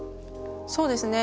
そうですね。